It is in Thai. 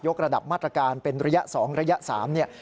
ยกระดับมาตรการเป็นระยะ๒ระยะ๓